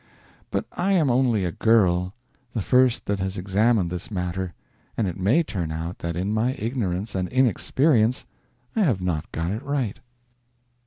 But I am only a girl, the first that has examined this matter, and it may turn out that in my ignorance and inexperience I have not got it right.